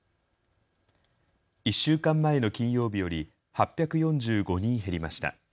１週間前の金曜日より８４５人減りました。